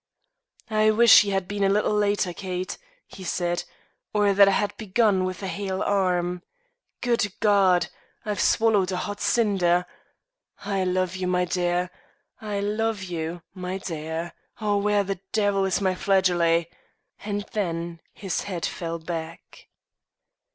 "I wish ye had been a little later, Kate," he said, "or that I had begun with a hale arm. Good God! I've swallowed a hot cinder. I love you, my dear; I love you, my dear. Oh, where the de'il's my flageolet?" And then his head fell back.